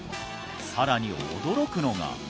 さらに驚くのが！